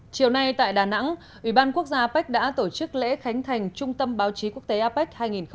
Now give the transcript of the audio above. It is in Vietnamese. chiều nay tại đà nẵng ủy ban quốc gia apec đã tổ chức lễ khánh thành trung tâm báo chí quốc tế apec hai nghìn một mươi chín